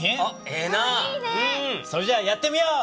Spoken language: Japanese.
ええなあ。それじゃあやってみよう。